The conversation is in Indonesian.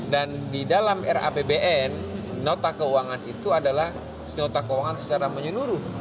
dan di dalam rapbn nota keuangan itu adalah nota keuangan secara menyeluruh